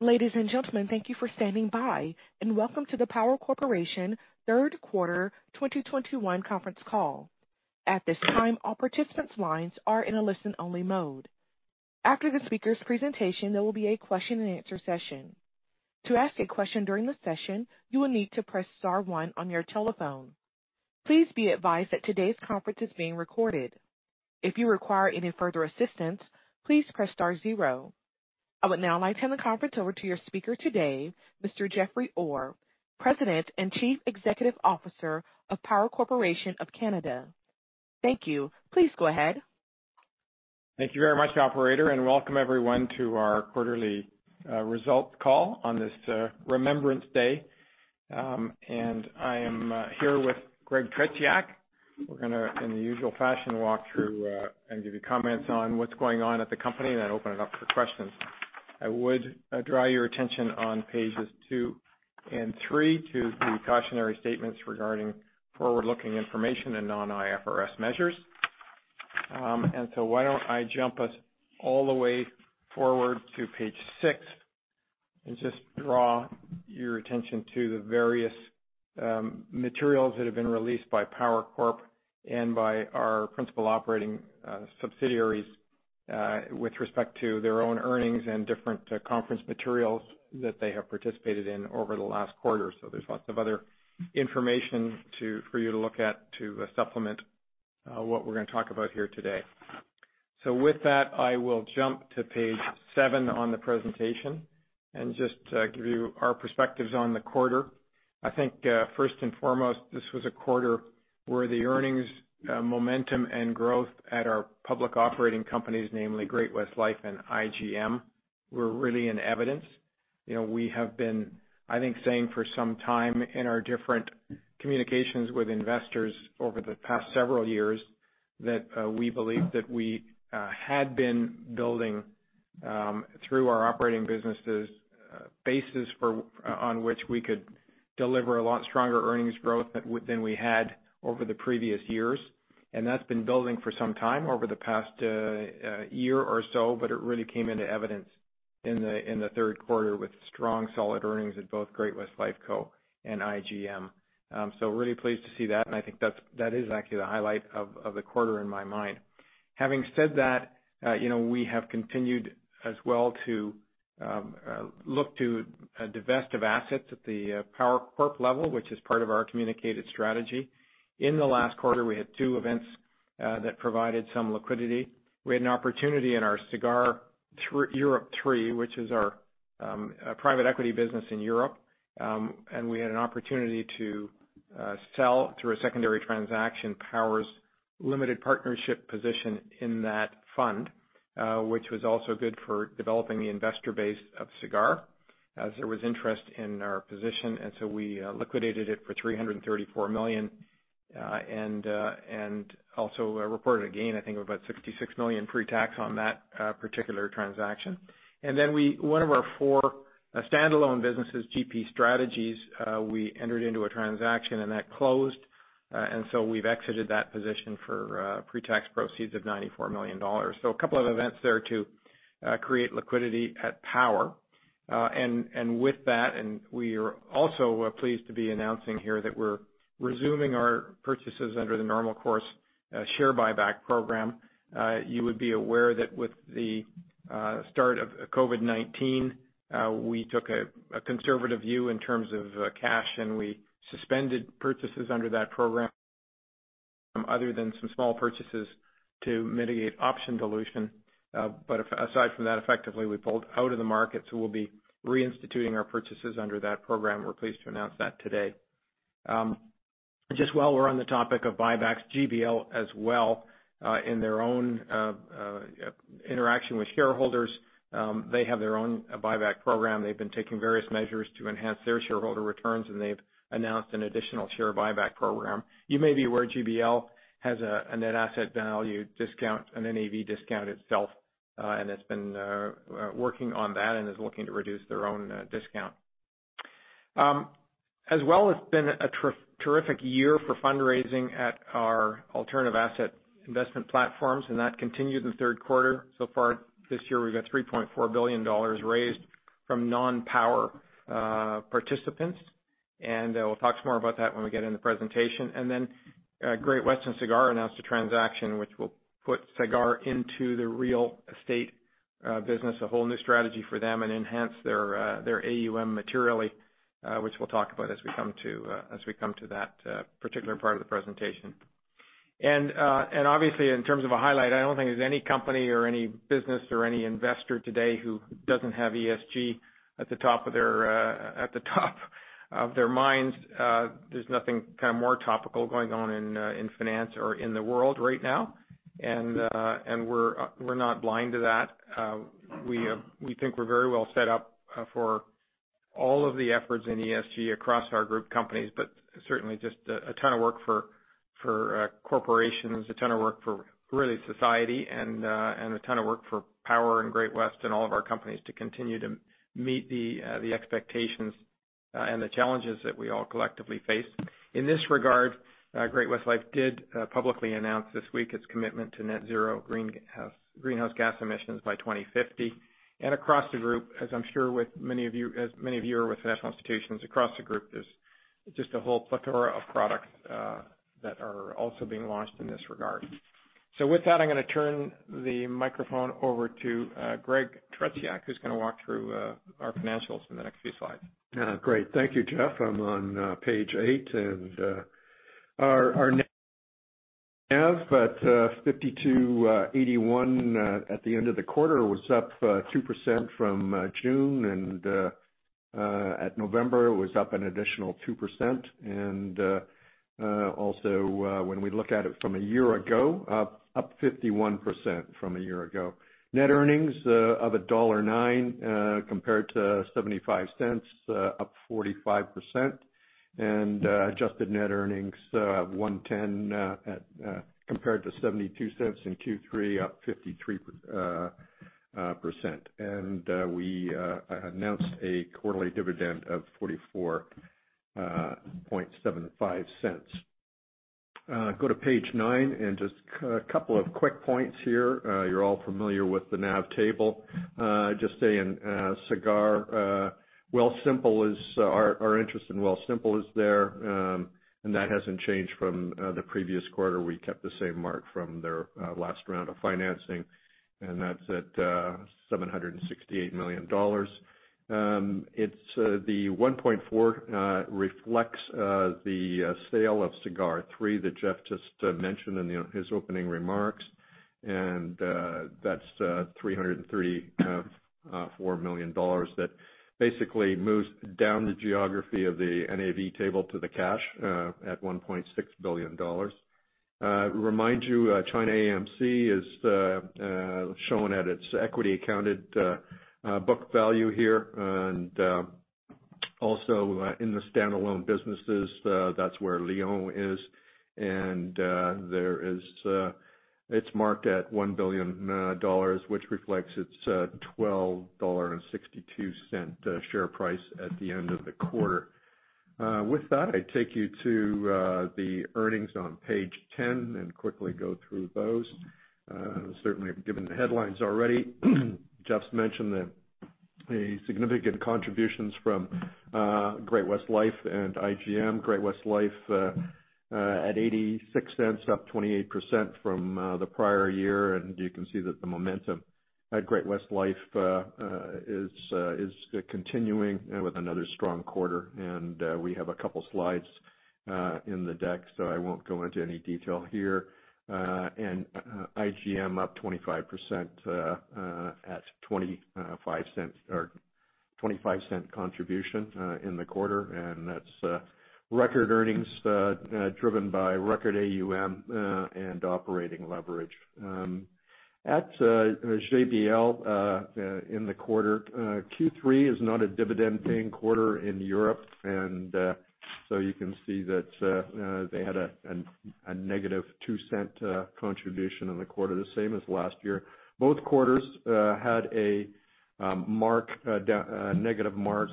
Ladies and gentlemen, thank you for standing by and welcome to the Power Corporation third quarter 2021 conference call. At this time, all participants' lines are in a listen-only mode. After the speaker's presentation, there will be a question and answer session. To ask a question during the session, you will need to press star one on your telephone. Please be advised that today's conference is being recorded. If you require any further assistance, please press star zero. I would now like to hand the conference over to your speaker today, Mr. Jeffrey Orr, President and Chief Executive Officer of Power Corporation of Canada. Thank you. Please go ahead. Thank you very much, operator, and welcome everyone to our quarterly results call on this Remembrance Day. I am here with Greg Tretiak. We're gonna, in the usual fashion, walk through and give you comments on what's going on at the company and then open it up for questions. I would draw your attention on pages two and three to the cautionary statements regarding forward-looking information and non-IFRS measures. Why don't I jump us all the way forward to page six and just draw your attention to the various materials that have been released by Power Corp and by our principal operating subsidiaries with respect to their own earnings and different conference materials that they have participated in over the last quarter. There's lots of other information for you to look at to supplement what we're gonna talk about here today. With that, I will jump to page seven on the presentation and just give you our perspectives on the quarter. I think first and foremost, this was a quarter where the earnings momentum and growth at our public operating companies, namely Great-West Life and IGM, were really in evidence. You know, we have been, I think, saying for some time in our different communications with investors over the past several years that we believe that we had been building through our operating businesses bases on which we could deliver a lot stronger earnings growth than we had over the previous years. That's been building for some time over the past year or so, but it really came into evidence in the third quarter with strong solid earnings at both Great-West Lifeco and IGM. So really pleased to see that, and I think that is actually the highlight of the quarter in my mind. Having said that, you know, we have continued as well to look to divest of assets at the Power Corp level, which is part of our communicated strategy. In the last quarter, we had two events that provided some liquidity. We had an opportunity in our Sagard Europe III, which is our private equity business in Europe, and we had an opportunity to sell through a secondary transaction, Power's limited partnership position in that fund, which was also good for developing the investor base of Sagard as there was interest in our position. We liquidated it for 334 million and also reported a gain, I think, of about 66 million pre-tax on that particular transaction. Then one of our four standalone businesses, GP Strategies, we entered into a transaction and that closed, and so we've exited that position for pre-tax proceeds of 94 million dollars. A couple of events there to create liquidity at Power. With that, we are also pleased to be announcing here that we're resuming our purchases under the normal course share buyback program. You would be aware that with the start of COVID-19, we took a conservative view in terms of cash, and we suspended purchases under that program other than some small purchases to mitigate option dilution. Aside from that, effectively, we pulled out of the market, so we'll be reinstituting our purchases under that program. We're pleased to announce that today. Just while we're on the topic of buybacks, GBL as well, in their own interaction with shareholders, they have their own buyback program. They've been taking various measures to enhance their shareholder returns, and they've announced an additional share buyback program. You may be aware GBL has a net asset value discount, an NAV discount itself, and it's been working on that and is looking to reduce their own discount. As well, it's been a terrific year for fundraising at our alternative asset investment platforms, and that continued in the third quarter. So far this year, we've got 3.4 billion dollars raised from non-Power participants, and we'll talk some more about that when we get into the presentation. Then, Great-West and Sagard announced a transaction which will put Sagard into the real estate business, a whole new strategy for them and enhance their AUM materially, which we'll talk about as we come to that particular part of the presentation. Obviously, in terms of a highlight, I don't think there's any company or any business or any investor today who doesn't have ESG at the top of their minds. There's nothing kind of more topical going on in finance or in the world right now. We're not blind to that. We think we're very well set up for all of the efforts in ESG across our group companies, but certainly just a ton of work for corporations, a ton of work for really society and a ton of work for Power and Great-West and all of our companies to continue to meet the expectations and the challenges that we all collectively face. In this regard, Great-West Life did publicly announce this week its commitment to net zero greenhouse gas emissions by 2050. Across the group, as I'm sure many of you are with financial institutions across the group, there's just a whole plethora of products that are also being launched in this regard. With that, I'm gonna turn the microphone over to Greg Tretiak, who's gonna walk through our financials in the next few slides. Great. Thank you, Jeff. I'm on page eight, and our NAV at 52.81 at the end of the quarter was up 2% from June, and at November was up an additional 2%. Also, when we look at it from a year ago, up 51% from a year ago. Net earnings of dollar 1.09 compared to 0.75, up 45%. Adjusted net earnings 1.10 compared to 0.72 in Q3, up 53%. We announced a quarterly dividend of 44.75. Go to page nine, and just a couple of quick points here. You're all familiar with the NAV table. Just saying, Sagard, our interest in Wealthsimple is there, and that hasn't changed from the previous quarter. We kept the same mark from their last round of financing, and that's at 768 million dollars. It's the 1.4 that reflects the sale of Sagard III that Jeff just mentioned in his opening remarks. That's 304 million dollars that basically moves down the hierarchy of the NAV table to the cash at 1.6 billion dollars. To remind you, ChinaAMC is shown at its equity-accounted book value here. Also, in the standalone businesses, that's where Lion is. There is it's marked at 1 billion dollars, which reflects its 12.62 dollar share price at the end of the quarter. With that, I take you to the earnings on page 10 and quickly go through those. Certainly I've given the headlines already. Jeff's mentioned that the significant contributions from Great-West Lifeco and IGM. Great-West Lifeco at 0.86, up 28% from the prior year. You can see that the momentum at Great-West Lifeco is continuing with another strong quarter. We have a couple slides in the deck, so I won't go into any detail here. IGM up 25% at 0.25 or 0.25 contribution in the quarter. That's record earnings driven by record AUM and operating leverage. At GBL, in the quarter, Q3 is not a dividend-paying quarter in Europe. So you can see that they had a -0.02 contribution in the quarter, the same as last year. Both quarters had a mark-down, a negative mark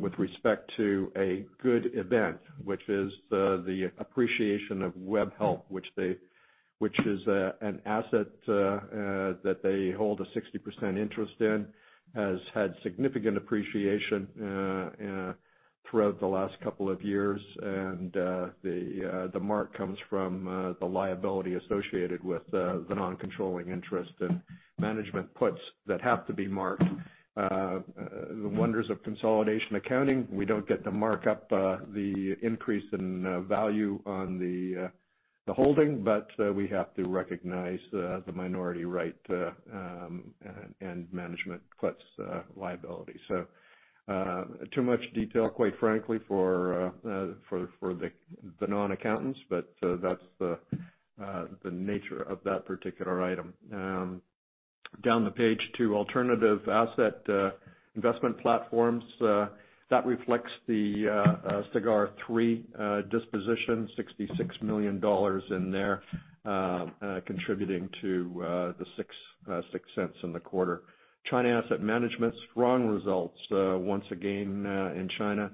with respect to a good event, which is the appreciation of Webhelp, which is an asset that they hold a 60% interest in, has had significant appreciation throughout the last couple of years. The mark comes from the liability associated with the non-controlling interest and management puts that have to be marked. The wonders of consolidation accounting, we don't get to mark up the increase in value on the holding, but we have to recognize the minority interest and management plus liability. Too much detail, quite frankly, for the non-accountants, but that's the nature of that particular item. Down the page to alternative asset investment platforms, that reflects the Sagard Europe III disposition, 66 million dollars in there, contributing to the 0.06 in the quarter. China Asset Management, strong results once again in China.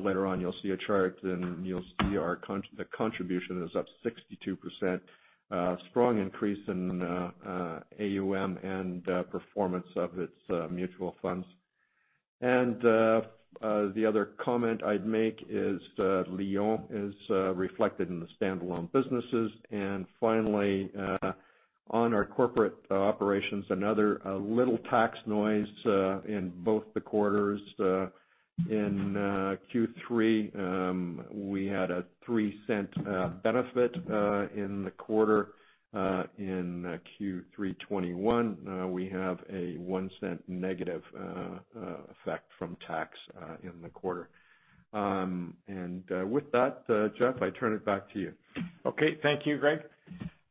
Later on you'll see a chart and you'll see our contribution is up 62%. Strong increase in AUM and performance of its mutual funds. The other comment I'd make is Lion is reflected in the standalone businesses. Finally, on our corporate operations, another little tax noise in both the quarters. In Q3, we had a 0.03 benefit in the quarter. In Q3 2021, we have a 0.01 negative effect from tax in the quarter. With that, Jeff, I turn it back to you. Okay. Thank you, Greg.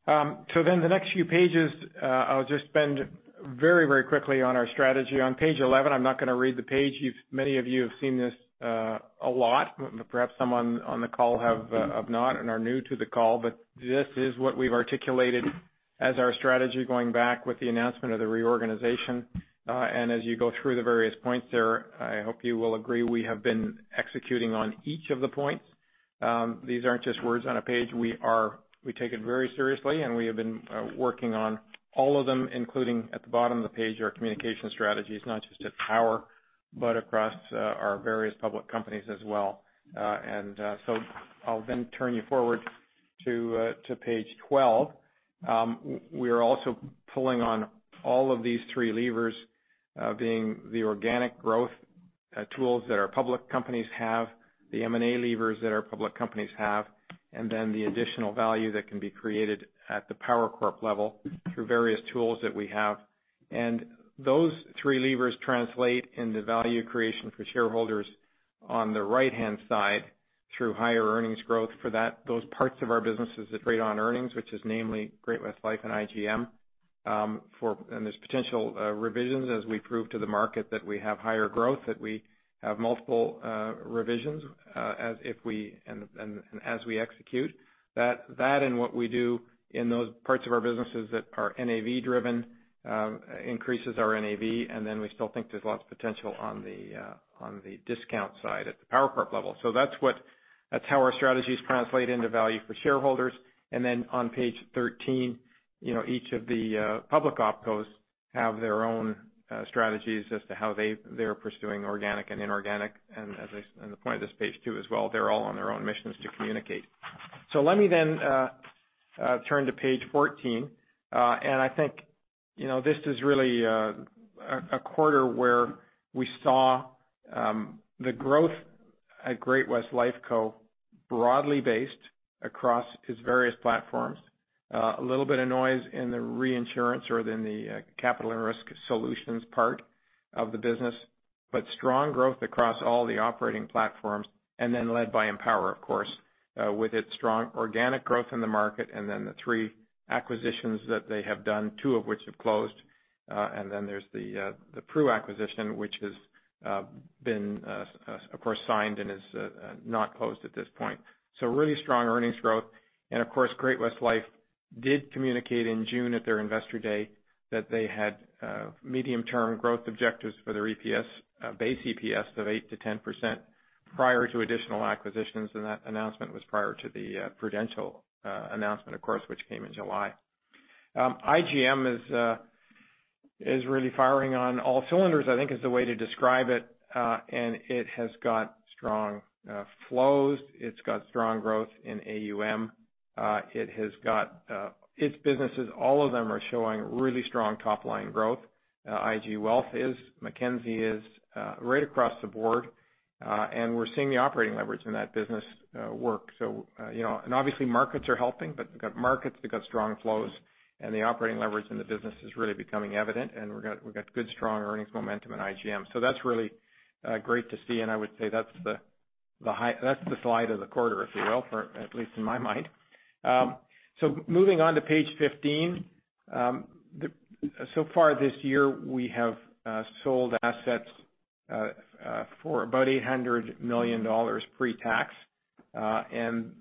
The next few pages, I'll just spend very, very quickly on our strategy. On page 11, I'm not gonna read the page. Many of you have seen this a lot. Perhaps someone on the call have not and are new to the call, but this is what we've articulated as our strategy going back with the announcement of the reorganization, and as you go through the various points there, I hope you will agree we have been executing on each of the points. These aren't just words on a page. We take it very seriously, and we have been working on all of them, including at the bottom of the page, our communication strategies, not just at Power, but across our various public companies as well. I'll then turn you forward to page 12. We are also pulling on all of these three levers, being the organic growth tools that our public companies have, the M&A levers that our public companies have, and then the additional value that can be created at the Power Corp level through various tools that we have. Those three levers translate into value creation for shareholders on the right-hand side through higher earnings growth for those parts of our businesses that trade on earnings, which is namely Great-West Life and IGM. There's potential revisions as we prove to the market that we have higher growth, that we have multiple revisions, as we execute. That and what we do in those parts of our businesses that are NAV driven increases our NAV, and then we still think there's lots of potential on the discount side at the Power Corp level. That's how our strategies translate into value for shareholders. On page 13, each of the public OpCos have their own strategies as to how they are pursuing organic and inorganic. The point of this page too as well, they're all on their own missions to communicate. Let me turn to page 14. I think this is really a quarter where we saw the growth at Great-West Lifeco broadly based across its various platforms. A little bit of noise in the reinsurance or in the capital and risk solutions part of the business, but strong growth across all the operating platforms, and then led by Empower, of course, with its strong organic growth in the market and then the three acquisitions that they have done, two of which have closed. Then there's the Pru acquisition, which has been, of course, signed and is not closed at this point. Really strong earnings growth. Of course, Great-West Life did communicate in June at their investor day that they had medium-term growth objectives for their base EPS of 8%-10% prior to additional acquisitions, and that announcement was prior to the Prudential announcement, of course, which came in July. IGM is really firing on all cylinders, I think is the way to describe it. It has got strong flows. It's got strong growth in AUM. It has got its businesses, all of them are showing really strong top-line growth. IG Wealth is, Mackenzie is, right across the board, and we're seeing the operating leverage in that business work. You know, obviously, markets are helping, but we've got markets, we've got strong flows, and the operating leverage in the business is really becoming evident, and we've got good, strong earnings momentum at IGM. That's really great to see, and I would say that's the slide of the quarter, if you will, for at least in my mind. Moving on to page 15. So far this year, we have sold assets for about 800 million dollars pre-tax, and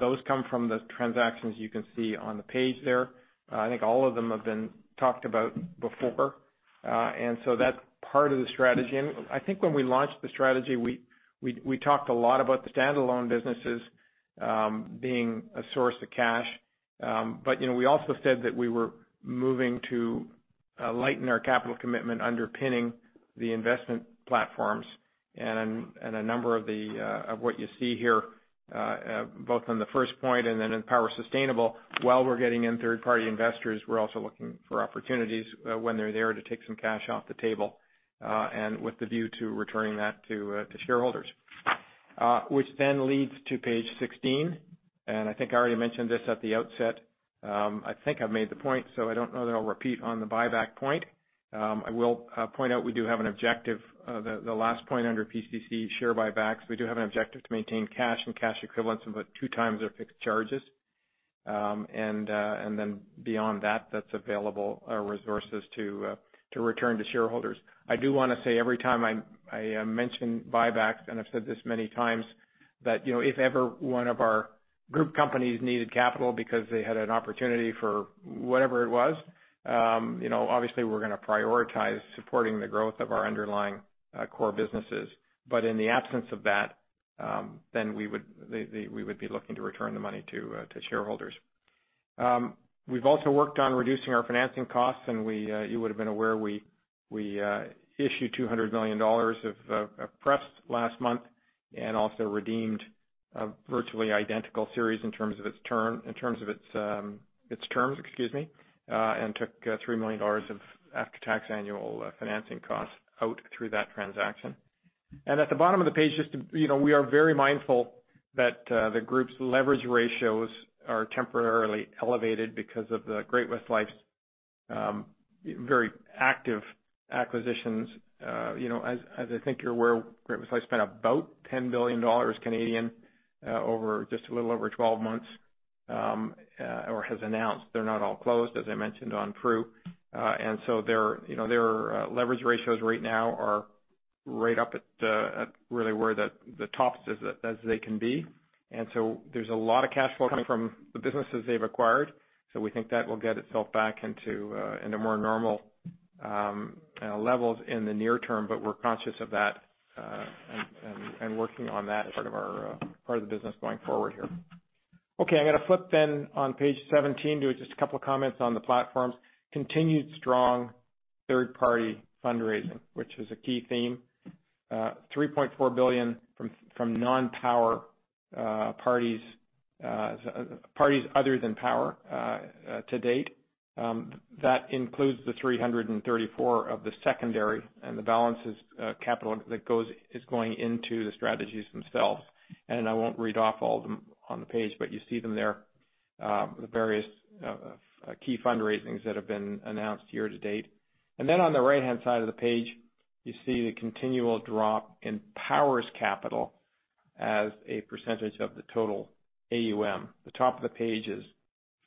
those come from the transactions you can see on the page there. I think all of them have been talked about before. That's part of the strategy. I think when we launched the strategy, we talked a lot about the standalone businesses being a source of cash. You know, we also said that we were moving to lighten our capital commitment underpinning the investment platforms and a number of what you see here, both on the first point and then in Power Sustainable. While we're getting in third-party investors, we're also looking for opportunities when they're there to take some cash off the table and with the view to returning that to shareholders. Which then leads to page 16, and I think I already mentioned this at the outset. I think I've made the point, so I don't know that I'll repeat on the buyback point. I will point out we do have an objective. The last point under PCC share buybacks, we do have an objective to maintain cash and cash equivalents of about 2x our fixed charges. Then beyond that's available resources to return to shareholders. I do wanna say every time I mention buybacks, and I've said this many times, that you know, if ever one of our group companies needed capital because they had an opportunity for whatever it was, you know, obviously we're gonna prioritize supporting the growth of our underlying core businesses. In the absence of that, then we would be looking to return the money to shareholders. We've also worked on reducing our financing costs, and you would've been aware we issued 200 million dollars of prefs last month and also redeemed a virtually identical series in terms of its term, in terms of its terms, excuse me, and took 3 million dollars of after-tax annual financing costs out through that transaction. At the bottom of the page, just to, you know, we are very mindful that the group's leverage ratios are temporarily elevated because of the Great-West Lifeco's very active acquisitions. You know, as I think you're aware, Great-West Lifeco spent about 10 billion Canadian dollars over just a little over 12 months or has announced. They're not all closed, as I mentioned, on Pru. Their leverage ratios right now are right up at really where the tops as they can be. There's a lot of cash flow coming from the businesses they've acquired. We think that will get itself back into more normal levels in the near term. We're conscious of that and working on that part of the business going forward here. Okay. I'm gonna flip then on page 17 to just a couple comments on the platforms. Continued strong third party fundraising, which is a key theme. 3.4 billion from non-Power parties other than Power to date. That includes the 334 of the secondary, and the balance is capital that is going into the strategies themselves. I won't read off all of them on the page, but you see them there, the various key fundraisings that have been announced year to date. On the right-hand side of the page, you see the continual drop in Power's capital as a percentage of the total AUM. The top of the page is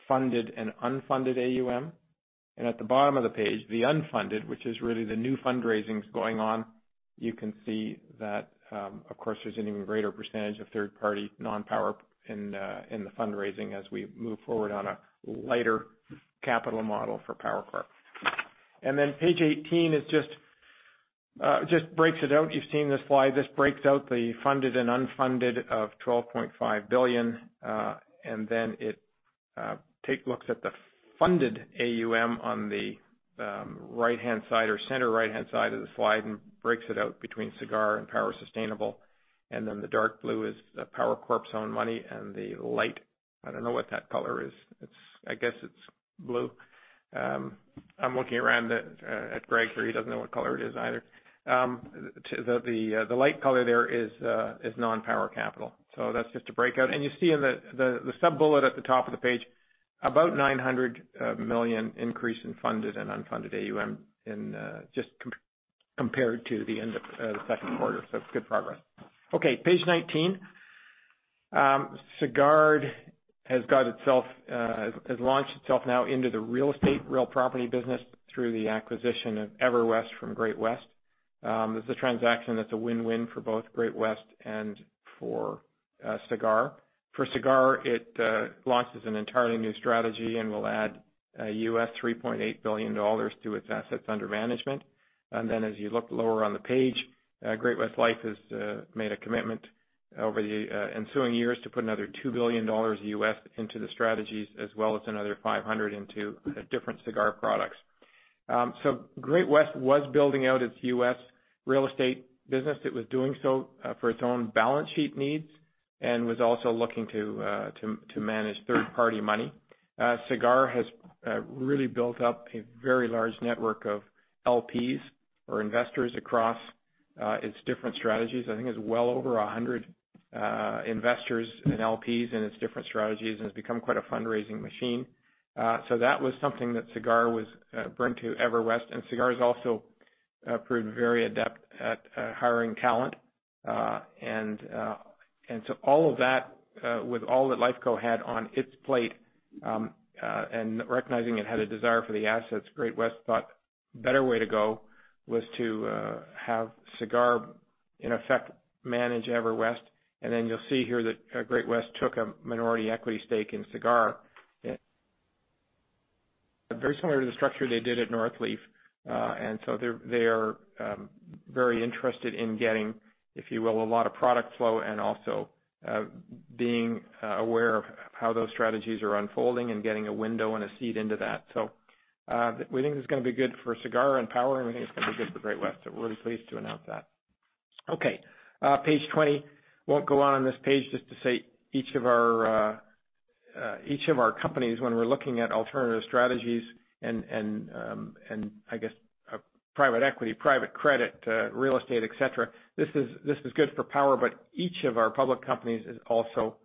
funded and unfunded AUM, and at the bottom of the page, the unfunded, which is really the new fundraisings going on. You can see that, of course, there's an even greater percentage of third party non-Power in the fundraising as we move forward on a lighter capital model for Power Corp page 18 just breaks it out. You've seen this slide. This breaks out the funded and unfunded of 12.5 billion. It looks at the funded AUM on the right-hand side or center right-hand side of the slide and breaks it out between Sagard and Power Sustainable. The dark blue is Power Corp's own money. The light, I don't know what that color is. It's, I guess it's blue. I'm looking around at Greg. He doesn't know what color it is either. To the light color there is non-Power capital. That's just a breakout. You see in the sub-bullet at the top of the page, about 900 million increase in funded and unfunded AUM in just compared to the end of the second quarter. It's good progress. Okay, page 19. Sagard has launched itself now into the real estate, real property business through the acquisition of EverWest from Great-West. This is a transaction that's a win-win for both Great-West and for Sagard. For Sagard, it launches an entirely new strategy and will add $3.8 billion to its assets under management. As you look lower on the page, Great-West Lifeco has made a commitment over the ensuing years to put another $2 billion into the strategies, as well as another $500 million into different Sagard products. Great-West Lifeco was building out its U.S. real estate business. It was doing so for its own balance sheet needs and was also looking to manage third-party money. Sagard has really built up a very large network of LPs or investors across its different strategies. I think it's well over 100 investors and LPs in its different strategies, and it's become quite a fundraising machine. That was something that Sagard was bringing to EverWest. Sagard has also proved very adept at hiring talent. All of that, with all that Lifeco had on its plate, and recognizing it had a desire for the assets, Great-West thought better way to go was to have Sagard in effect manage EverWest. Then you'll see here that Great-West took a minority equity stake in Sagard. Very similar to the structure they did at Northleaf. They are very interested in getting, if you will, a lot of product flow and also being aware of how those strategies are unfolding and getting a window and a seat into that. We think this is gonna be good for Sagard and Power, and we think it's gonna be good for Great-West. We're really pleased to announce that. Okay, page 20. won't go on on this page just to say each of our companies when we're looking at alternative strategies and I guess private equity, private credit, real estate, etc., this is good for Power, but each of our public companies is also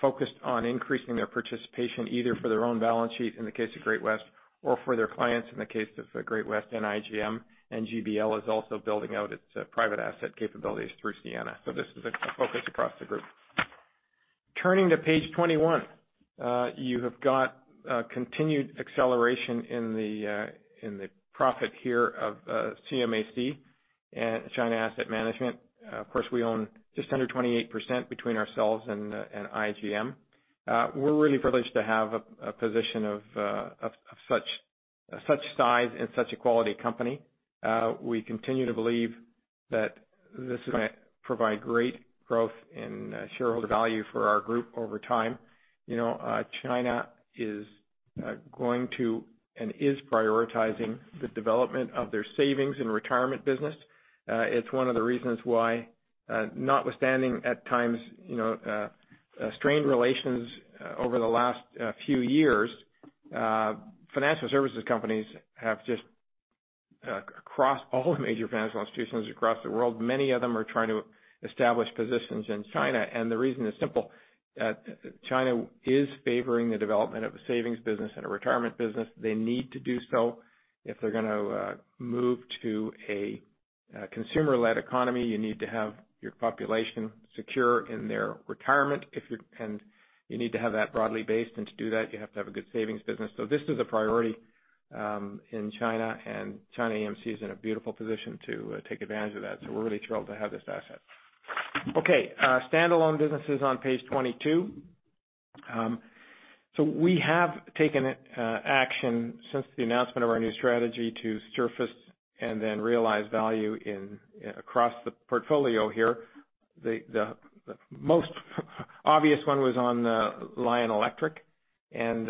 focused on increasing their participation either for their own balance sheet in the case of Great-West or for their clients in the case of Great-West and IGM. GBL is also building out its private asset capabilities through Sienna. This is a focus across the group. Turning to page 21. You have got continued acceleration in the profit here of ChinaAMC, China Asset Management. Of course, we own just under 28% between ourselves and IGM. We're really privileged to have a position of such size and such a quality company. We continue to believe that this is gonna provide great growth in shareholder value for our group over time. You know, China is going to, and is prioritizing the development of their savings and retirement business. It's one of the reasons why, notwithstanding at times, you know, strained relations over the last few years, financial services companies, just across all the major financial institutions across the world, many of them are trying to establish positions in China. The reason is simple, China is favoring the development of a savings business and a retirement business. They need to do so if they're gonna move to a consumer-led economy. You need to have your population secure in their retirement, and you need to have that broadly based. To do that, you have to have a good savings business. This is a priority in China, and China AMC is in a beautiful position to take advantage of that, so we're really thrilled to have this asset. Okay. Standalone businesses on page 22. We have taken action since the announcement of our new strategy to surface and then realize value across the portfolio here. The most obvious one was on Lion Electric and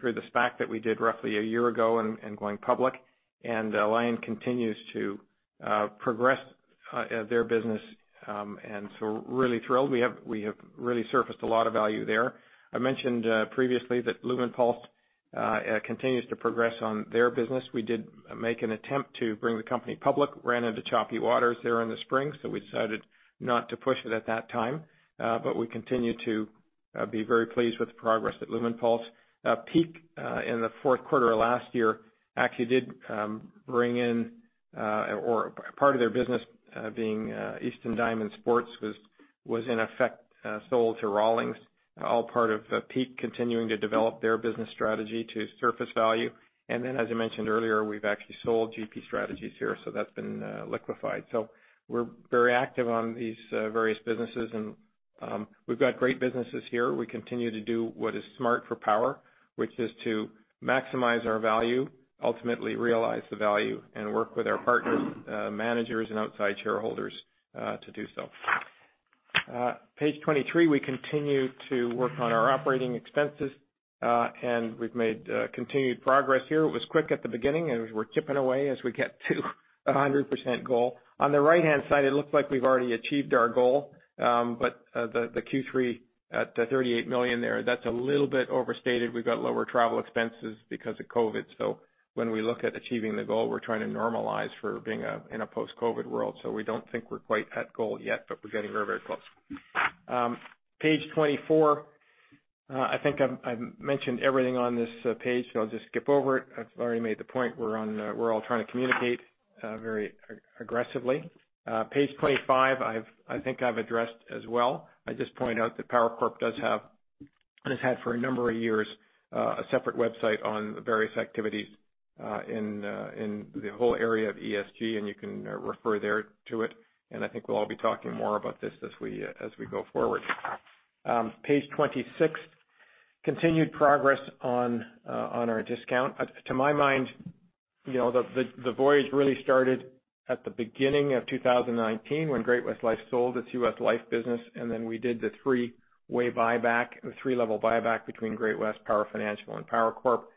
through the SPAC that we did roughly a year ago and going public. Lion continues to progress their business. We're really thrilled. We have really surfaced a lot of value there. I mentioned previously that Lumenpulse continues to progress on their business. We did make an attempt to bring the company public, ran into choppy waters there in the spring, so we decided not to push it at that time. We continue to be very pleased with the progress at Lumenpulse. Peak, in the fourth quarter of last year, actually did bring in, or part of their business, being Easton Diamond Sports, was in effect sold to Rawlings, all part of Peak continuing to develop their business strategy to surface value. As I mentioned earlier, we've actually sold GP Strategies here, so that's been liquefied. We're very active on these various businesses, and we've got great businesses here. We continue to do what is smart for Power, which is to maximize our value, ultimately realize the value, and work with our partners, managers and outside shareholders, to do so. Page 23, we continue to work on our operating expenses, and we've made continued progress here. It was quick at the beginning, and we're chipping away as we get to a 100% goal. On the right-hand side, it looks like we've already achieved our goal, but the Q3 at the 38 million there, that's a little bit overstated. We've got lower travel expenses because of COVID. So when we look at achieving the goal, we're trying to normalize for being in a post-COVID world. We don't think we're quite at goal yet, but we're getting very, very close. Page 24. I think I mentioned everything on this page, so I'll just skip over it. I've already made the point. We're all trying to communicate very aggressively. Page 25, I think I've addressed as well. I just point out that Power Corp does have, and has had for a number of years, a separate website on the various activities in the whole area of ESG, and you can refer there to it. I think we'll all be talking more about this as we go forward. Page 26, continued progress on our discount. To my mind, you know, the voyage really started at the beginning of 2019 when Great-West Life sold its U.S. Life business, and then we did the three-way buyback, the three-level buyback between Great-West, Power Financial and Power Corp,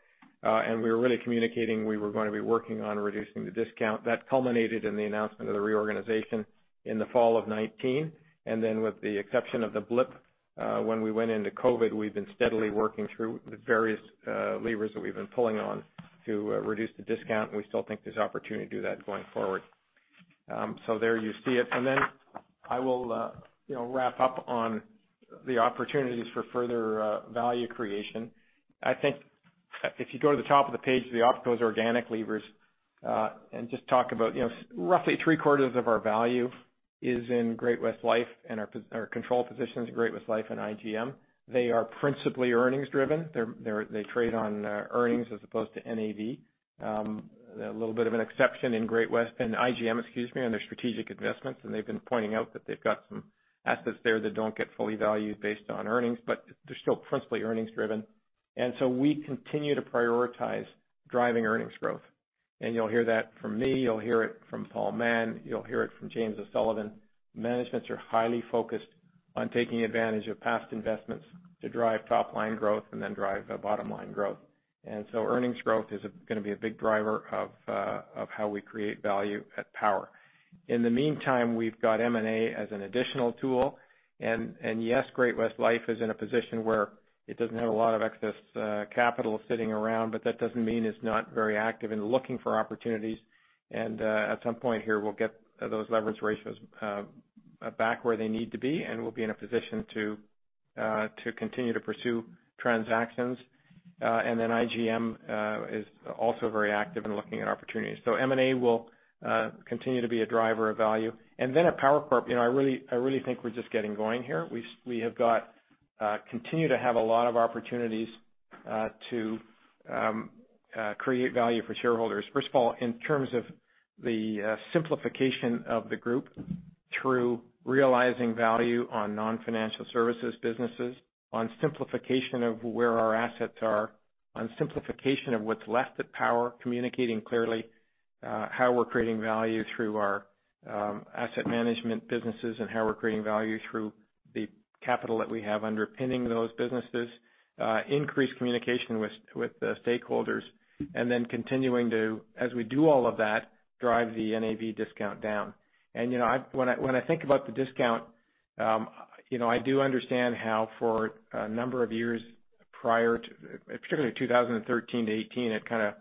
and we were really communicating we were gonna be working on reducing the discount. That culminated in the announcement of the reorganization in the fall of 2019. With the exception of the blip when we went into COVID, we've been steadily working through the various levers that we've been pulling on to reduce the discount, and we still think there's opportunity to do that going forward. There you see it. I will, you know, wrap up on the opportunities for further value creation. I think if you go to the top of the page, those organic levers, and just talk about, you know, roughly three-quarters of our value is in Great-West Life and our control positions in Great-West Life and IGM. They are principally earnings driven. They trade on earnings as opposed to NAV. A little bit of an exception in Great-West and IGM, excuse me, on their strategic investments, and they've been pointing out that they've got some assets there that don't get fully valued based on earnings, but they're still principally earnings driven. We continue to prioritize driving earnings growth. You'll hear that from me, you'll hear it from Paul Mahon, you'll hear it from James O'Sullivan. Management is highly focused on taking advantage of past investments to drive top line growth and then drive bottom line growth. Earnings growth is gonna be a big driver of how we create value at Power. In the meantime, we've got M&A as an additional tool. Yes, Great-West Life is in a position where it doesn't have a lot of excess capital sitting around, but that doesn't mean it's not very active in looking for opportunities. At some point here, we'll get those leverage ratios back where they need to be, and we'll be in a position to continue to pursue transactions. Then IGM is also very active in looking at opportunities. M&A will continue to be a driver of value. At Power Corp, you know, I really think we're just getting going here. We continue to have a lot of opportunities to create value for shareholders. First of all, in terms of the simplification of the group through realizing value on non-financial services businesses, on simplification of where our assets are, on simplification of what's left at Power, communicating clearly how we're creating value through our asset management businesses and how we're creating value through the capital that we have underpinning those businesses, increased communication with the stakeholders, and then continuing to, as we do all of that, drive the NAV discount down. You know, when I think about the discount, you know, I do understand how for a number of years prior to, particularly 2013 to 2018, it kind of,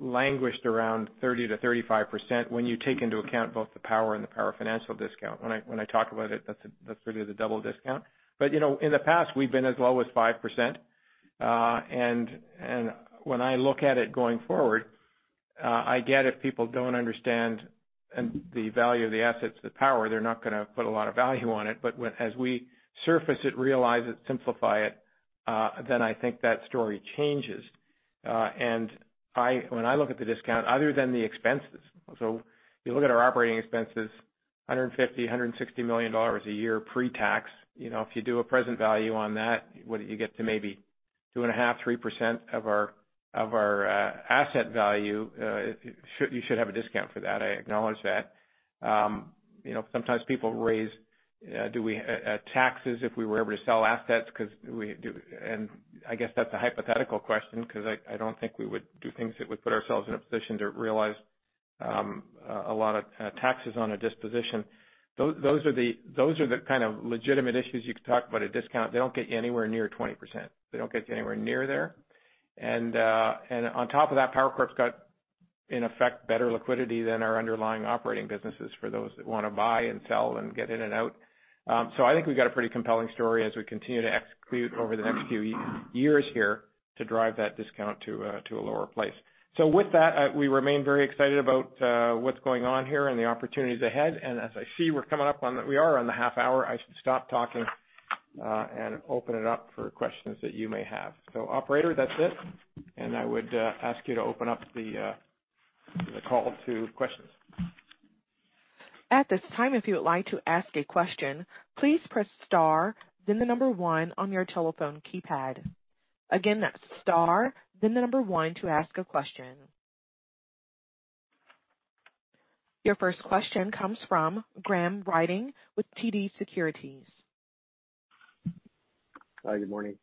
languished around 30%-35% when you take into account both the Power and the Power Financial discount. When I talk about it, that's really the double discount. You know, in the past, we've been as low as 5%, and when I look at it going forward, I get if people don't understand the value of the assets at Power, they're not gonna put a lot of value on it. When, as we surface it, realize it, simplify it, then I think that story changes. When I look at the discount, other than the expenses, so if you look at our operating expenses, 150 million-160 million dollars a year pre-tax. You know, if you do a present value on that, what do you get to maybe 2.5%-3% of our asset value. You should have a discount for that, I acknowledge that. You know, sometimes people raise taxes if we were able to sell assets 'cause we would. I guess that's a hypothetical question, 'cause I don't think we would do things that would put ourselves in a position to realize a lot of taxes on a disposition. Those are the kind of legitimate issues you could talk about a discount. They don't get you anywhere near 20%. They don't get you anywhere near there. Power Corp's got, in effect, better liquidity than our underlying operating businesses for those that wanna buy and sell and get in and out. I think we've got a pretty compelling story as we continue to execute over the next few years here to drive that discount to a lower place. With that, we remain very excited about what's going on here and the opportunities ahead. As I see, we're coming up on the half hour. I should stop talking and open it up for questions that you may have. Operator, that's it. I would ask you to open up the call to questions. At this time, if you would like to ask a question, please press star then the number one on your telephone keypad. Again, that's star, then the number one to ask a question. Your first question comes from Graham Ryding with TD Securities. Hi, good morning.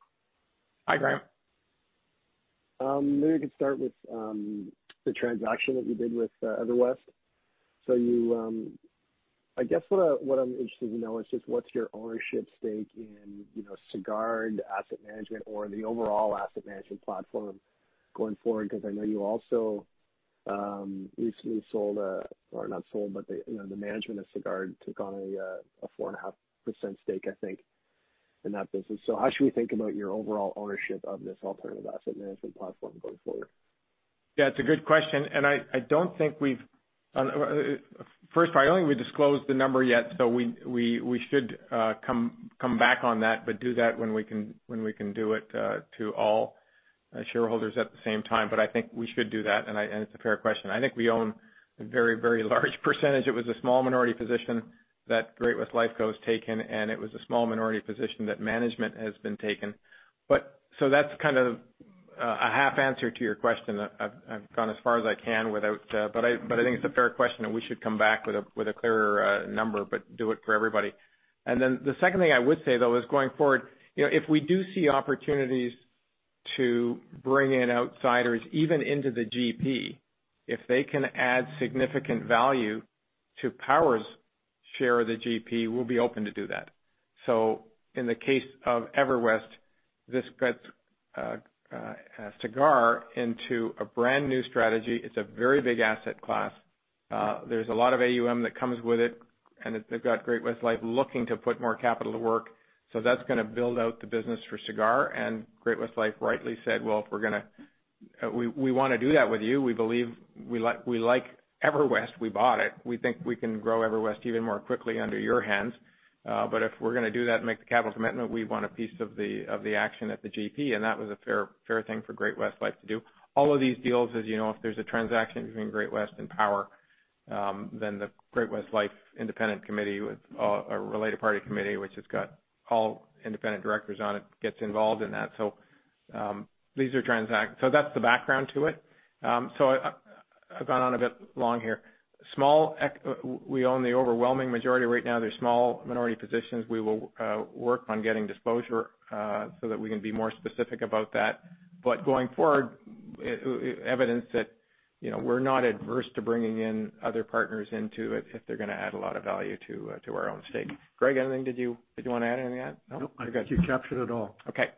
Hi, Graham. Maybe we could start with the transaction that you did with EverWest. I guess what I'm interested to know is just what's your ownership stake in, you know, Sagard asset management or the overall asset management platform going forward, 'cause I know you also recently sold, or not sold, but the, you know, the management of Sagard took on a 4.5% stake, I think, in that business. How should we think about your overall ownership of this alternative asset management platform going forward? Yeah, it's a good question. I don't think we've disclosed the number yet, so we should come back on that, but do that when we can do it to all shareholders at the same time. I think we should do that, and it's a fair question. I think we own a very large percentage. It was a small minority position that Great-West Lifeco has taken, and it was a small minority position that management has taken. So that's kind of a half answer to your question. I've gone as far as I can without. I think it's a fair question, and we should come back with a clearer number, but do it for everybody. The second thing I would say, though, is going forward. You know, if we do see opportunities to bring in outsiders, even into the GP, if they can add significant value to Power's share of the GP, we'll be open to do that. In the case of EverWest, this gets Sagard into a brand-new strategy. It's a very big asset class. There's a lot of AUM that comes with it, and they've got Great-West Life looking to put more capital to work. That's gonna build out the business for Sagard. Great-West Life rightly said, "Well, if we're gonna, we wanna do that with you. We believe we like EverWest. We bought it. We think we can grow EverWest even more quickly under your hands. If we're gonna do that and make the capital commitment, we want a piece of the, of the action at the GP. That was a fair thing for Great-West Lifeco to do. All of these deals, as you know, if there's a transaction between Great-West Lifeco and Power, then the Great-West Lifeco independent committee with a related party committee, which has got all independent directors on it, gets involved in that. That's the background to it. I've gone on a bit long here. We own the overwhelming majority. Right now, there's small minority positions. We will work on getting disclosure so that we can be more specific about that. Going forward, evidence that, you know, we're not averse to bringing in other partners into it if they're gonna add a lot of value to our own stake. Greg, anything? Did you wanna add anything on that? No? Nope. I think you captured it all. Okay.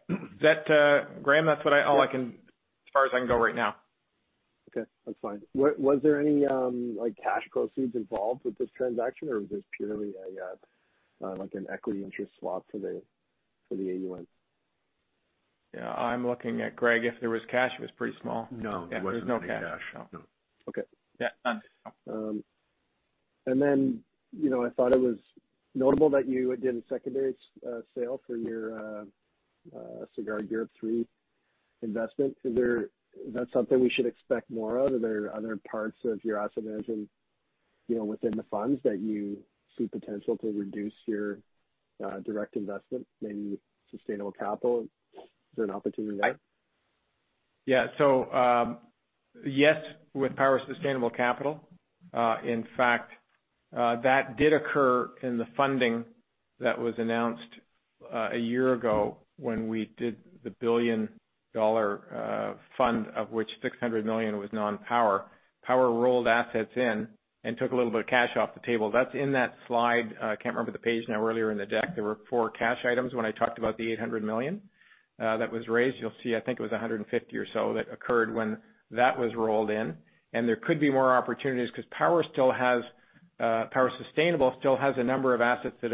That, Graham, as far as I can go right now. Okay, that's fine. Was there any, like, cash proceeds involved with this transaction or was this purely a like an equity interest swap for the AUM? Yeah. I'm looking at Greg. If there was cash, it was pretty small. No. Yeah, there was no cash. No. Okay. Yeah. You know, I thought it was notable that you did a secondary sale for your Sagard Europe III investment. Is that something we should expect more of? Are there other parts of your asset management, you know, within the funds that you see potential to reduce your direct investment, maybe Sustainable Capital? Is there an opportunity there? Yeah, yes, with Power Sustainable Capital. In fact, that did occur in the funding that was announced a year ago when we did the 1 billion dollar fund, of which 600 million was non-Power. Power rolled assets in and took a little bit of cash off the table. That's in that slide. I can't remember the page now, earlier in the deck. There were four cash items when I talked about the 800 million that was raised. You'll see, I think it was 150 or so that occurred when that was rolled in. There could be more opportunities 'cause Power still has, Power Sustainable still has a number of assets that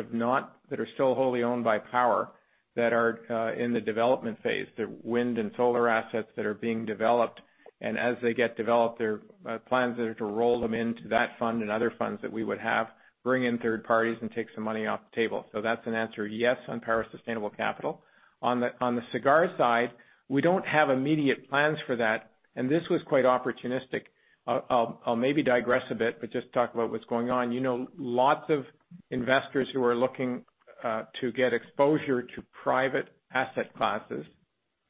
are still wholly owned by Power that are in the development phase. The wind and solar assets that are being developed. As they get developed, their plans are to roll them into that fund and other funds that we would have, bring in third parties, and take some money off the table. That's an answer, yes, on Power Sustainable Capital. On the Sagard side, we don't have immediate plans for that, and this was quite opportunistic. I'll maybe digress a bit, but just talk about what's going on. You know, lots of investors who are looking to get exposure to private asset classes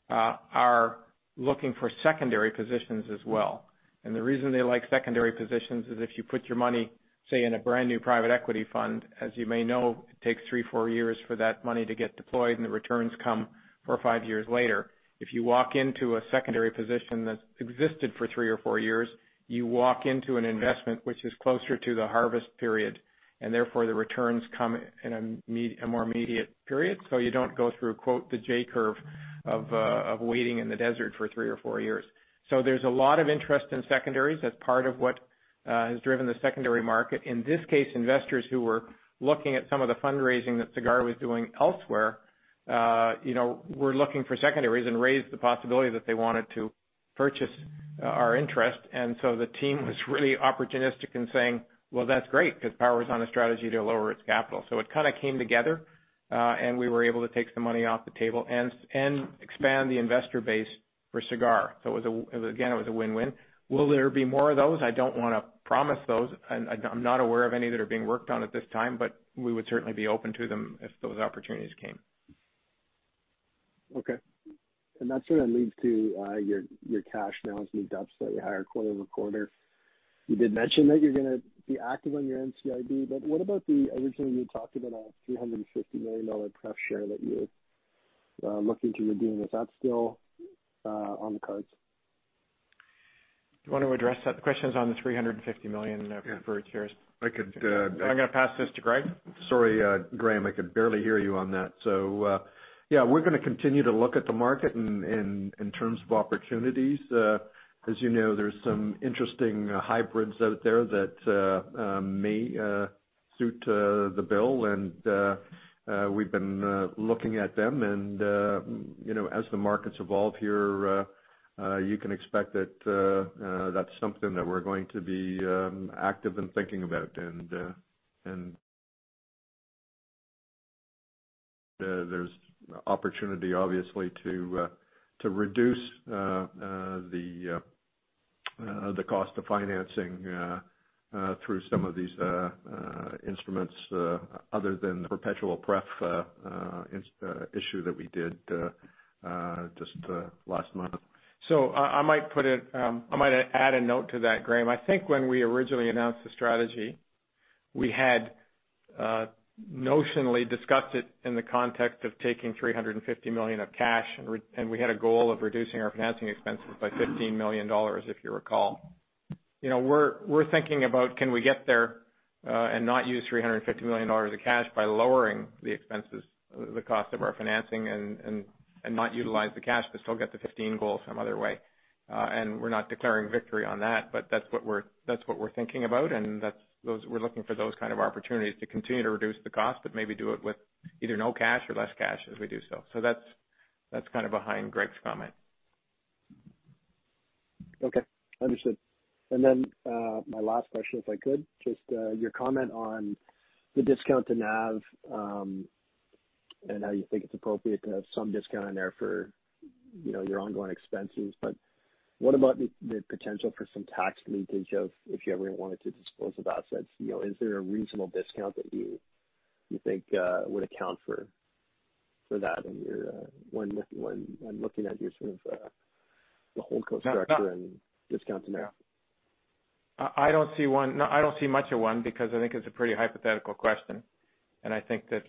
are looking for secondary positions as well. The reason they like secondary positions is if you put your money, say, in a brand-new private equity fund, as you may know, it takes three, four years for that money to get deployed, and the returns come four or five years later. If you walk into a secondary position that's existed for three or four years, you walk into an investment which is closer to the harvest period, and therefore, the returns come in a more immediate period, so you don't go through the J-curve of waiting in the desert for three or four years. There's a lot of interest in secondaries. That's part of what has driven the secondary market. In this case, investors who were looking at some of the fundraising that Sagard was doing elsewhere, you know, were looking for secondaries and raised the possibility that they wanted to purchase our interest. The team was really opportunistic in saying, "Well, that's great because Power is on a strategy to lower its capital." It kind of came together, and we were able to take some money off the table and expand the investor base for Sagard. Again, it was a win-win. Will there be more of those? I don't wanna promise those. I'm not aware of any that are being worked on at this time, but we would certainly be open to them if those opportunities came. Okay. That sort of leads to your cash balance and the dips that you have quarter-over-quarter. You did mention that you're gonna be active on your NCIB, but what about originally you had talked about a 350 million dollar pref share that you were looking to redeem. Is that still on the cards? Do you wanna address that? The question is on the 350 million preferred shares. I could. I'm gonna pass this to Greg. Sorry, Graham, I could barely hear you on that. Yeah, we're gonna continue to look at the market in terms of opportunities. As you know, there's some interesting hybrids out there that may suit the bill, and we've been looking at them. There's opportunity obviously to reduce the cost of financing through some of these instruments other than the perpetual prefs issue that we did just last month. I might add a note to that, Graham. I think when we originally announced the strategy, we had notionally discussed it in the context of taking 350 million of cash, and we had a goal of reducing our financing expenses by 15 million dollars, if you recall. You know, we're thinking about can we get there, and not use 350 million dollars of cash by lowering the expenses, the cost of our financing and not utilize the cash but still get to 15 goal some other way. We're not declaring victory on that, but that's what we're thinking about. We're looking for those kind of opportunities to continue to reduce the cost but maybe do it with either no cash or less cash as we do so. That's kind of behind Greg's comment. Okay. Understood. My last question, if I could, just your comment on the discount to NAV, and how you think it's appropriate to have some discount in there for, you know, your ongoing expenses. What about the potential for some tax leakage if you ever wanted to dispose of assets? You know, is there a reasonable discount that you think would account for that in your when looking at your sort of the whole cost structure and discount to NAV? I don't see one. No, I don't see much of one because I think it's a pretty hypothetical question. I think that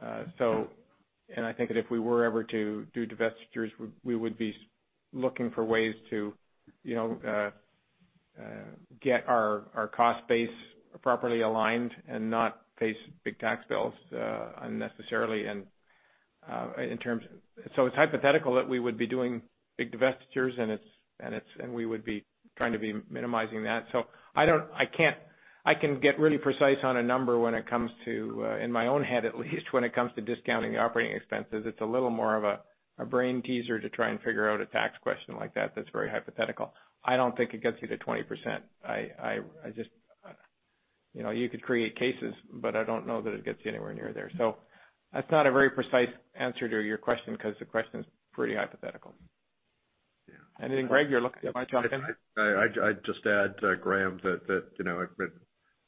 if we were ever to do divestitures, we would be looking for ways to, you know, get our cost base properly aligned and not face big tax bills unnecessarily. It's hypothetical that we would be doing big divestitures, and we would be trying to be minimizing that. I can get really precise on a number when it comes to, in my own head at least, when it comes to discounting the operating expenses. It's a little more of a brain teaser to try and figure out a tax question like that that's very hypothetical. I don't think it gets you to 20%. I just, you know, you could create cases, but I don't know that it gets you anywhere near there. That's not a very precise answer to your question because the question is pretty hypothetical. Yeah. Anything, Greg? You're looking at me. Am I jumping? I'd just add, Graham, that you know, I would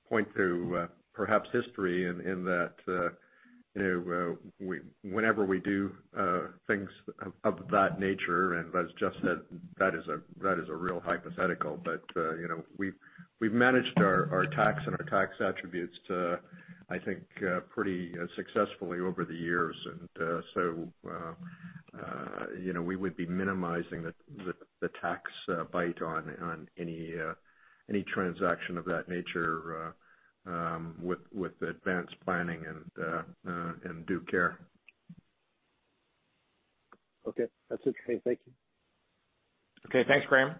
point to perhaps history in that you know, whenever we do things of that nature, and as Jeff said, that is a real hypothetical. You know, we've managed our tax and our tax attributes to, I think, pretty successfully over the years. You know, we would be minimizing the tax bite on any transaction of that nature, with advanced planning and due care. Okay. That's okay. Thank you. Okay. Thanks, Graham.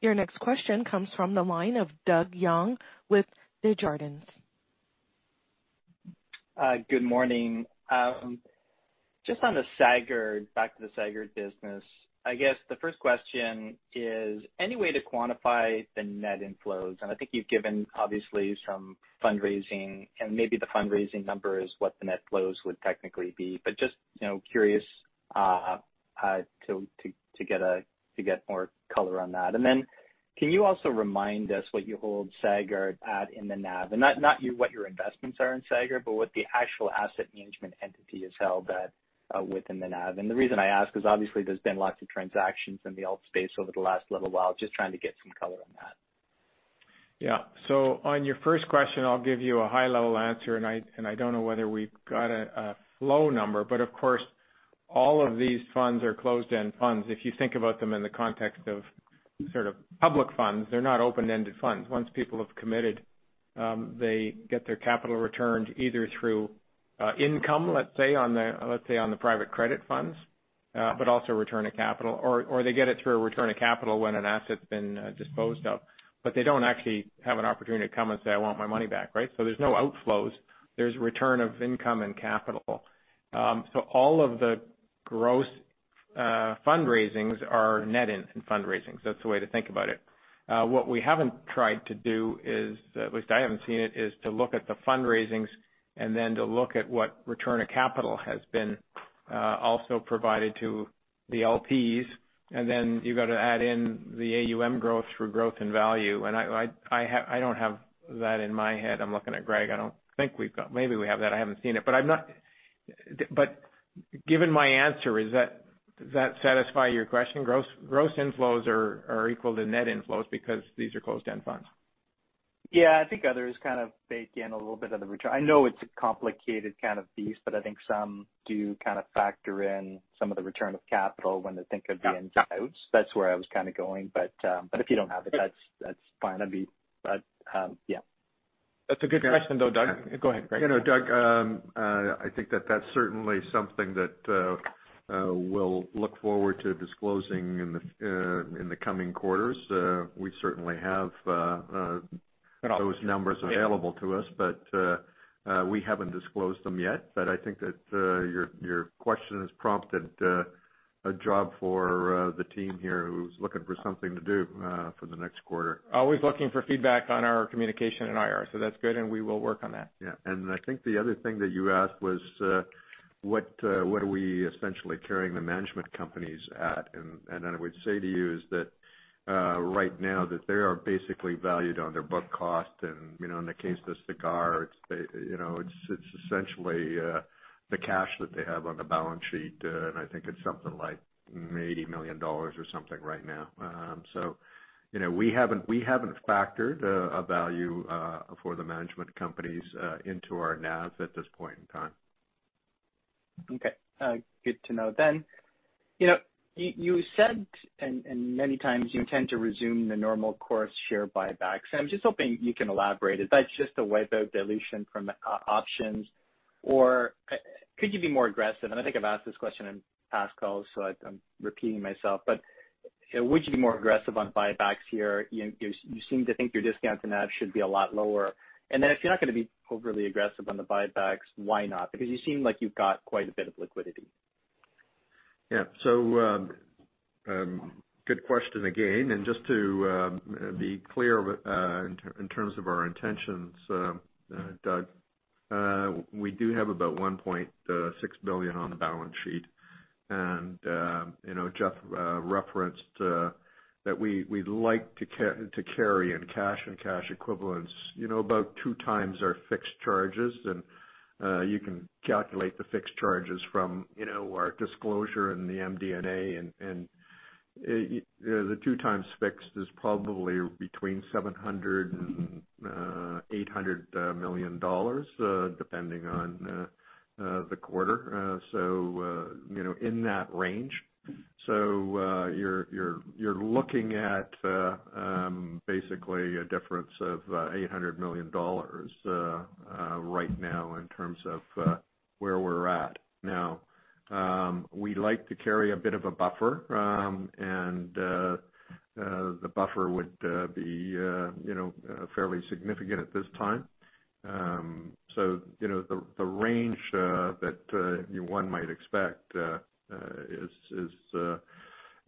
Your next question comes from the line of Doug Young with Desjardins. Good morning. Just on the Sagard, back to the Sagard business. I guess the first question is, any way to quantify the net inflows? I think you've given obviously some fundraising and maybe the fundraising number is what the net flows would technically be. Just, you know, curious to get more color on that. Can you also remind us what you hold Sagard at in the NAV? Not what your investments are in Sagard, but what the actual asset management entity has held at within the NAV. The reason I ask is obviously there's been lots of transactions in the alt space over the last little while. Just trying to get some color on that. On your first question, I'll give you a high level answer, and I don't know whether we've got a flow number, but of course, all of these funds are closed-end funds. If you think about them in the context of sort of public funds, they're not open-ended funds. Once people have committed, they get their capital returned either through income, let's say, on the private credit funds, but also return of capital. Or they get it through a return of capital when an asset's been disposed of. But they don't actually have an opportunity to come and say, "I want my money back," right? There's no outflows. There's return of income and capital. All of the gross fundraisings are net inflows. That's the way to think about it. What we haven't tried to do is, at least I haven't seen it, is to look at the fundraisings and then to look at what return of capital has been also provided to the LPs. Then you've got to add in the AUM growth through growth and value. I don't have that in my head. I'm looking at Greg. I don't think we've got that. Maybe we have that. I haven't seen it. Given my answer, does that satisfy your question? Gross inflows are equal to net inflows because these are closed-end funds. Yeah, I think others kind of bake in a little bit of the return. I know it's a complicated kind of beast, but I think some do kind of factor in some of the return of capital when they think of the ins and outs. That's where I was kind of going. If you don't have it, that's fine. I'd be. Yeah. That's a good question, though, Doug. Go ahead, Greg. You know, Doug, I think that that's certainly something that we'll look forward to disclosing in the coming quarters. We certainly have those numbers available to us, but we haven't disclosed them yet. I think that your question has prompted a job for the team here who's looking for something to do for the next quarter. Always looking for feedback on our communication and IR, so that's good and we will work on that. Yeah. I think the other thing that you asked was what are we essentially carrying the management companies at? I would say to you is that right now that they are basically valued on their book cost. You know, in the case of Sagard, it's essentially the cash that they have on the balance sheet. I think it's something like 80 million dollars or something right now. You know, we haven't factored a value for the management companies into our NAVs at this point in time. Okay. Good to know then. You know, you said, and many times you intend to resume the normal course share buybacks. I'm just hoping you can elaborate. Is that just to wipe out dilution from options or could you be more aggressive? I think I've asked this question in past calls, so I'm repeating myself. You know, would you be more aggressive on buybacks here? You seem to think your discount to NAV should be a lot lower. Then if you're not gonna be overly aggressive on the buybacks, why not? Because you seem like you've got quite a bit of liquidity. Yeah. Good question again. Just to be clear, in terms of our intentions, Doug, we do have about 1.6 billion on the balance sheet. You know, Jeff referenced that we'd like to carry in cash and cash equivalents, you know, about 2x our fixed charges. You can calculate the fixed charges from, you know, our disclosure in the MD&A. You know, the 2x fixed is probably between 700 million dollars and 800 million dollars, depending on the quarter. You know, in that range. You're looking at basically a difference of 800 million dollars right now in terms of where we're at. Now, we like to carry a bit of a buffer. The buffer would be, you know, fairly significant at this time. You know, the range that one might expect is